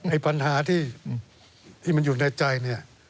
ปัญหาที่มันอยู่ในใจเนี่ย